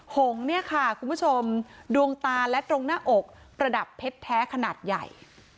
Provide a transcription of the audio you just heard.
หงเนี่ยค่ะคุณผู้ชมดวงตาและตรงหน้าอกประดับเพชรแท้ขนาดใหญ่